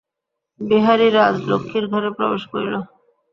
বিহারী রাজলক্ষ্মীর ঘরে প্রবেশ করিল।